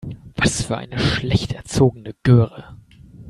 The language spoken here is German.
Was für eine schlecht erzogene Göre.